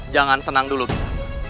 jangan senang dulu kisah